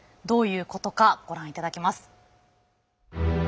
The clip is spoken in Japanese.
どういうことかご覧いただきます。